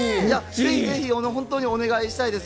ぜひぜひお願いしたいです。